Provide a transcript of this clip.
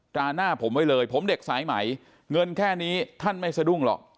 ราหน้าผมไว้เลยผมเด็กสายใหม่เงินแค่นี้ท่านไม่สะดุ้งหรอก